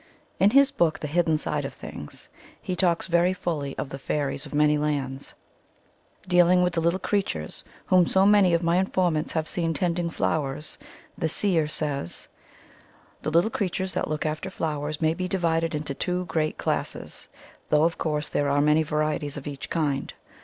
In his book The Hidden Side of Things he talks very fully of the fairies of many lands. Dealing with the little creatures whom so many of my informants have seen tending flowers, the seer says : ''The little creatures that look after 186 THE THEOSOPHIC VIEW OF FAIRIES flowers may be divided into two great classes, though of course there are many varieties of each kind.